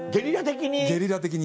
ゲリラ的に？